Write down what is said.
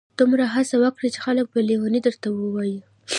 دومره هڅه وکړه چي خلک په لیوني درته ووایي.